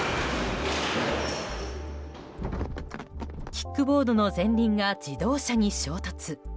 キックボードの前輪が自動車に衝突。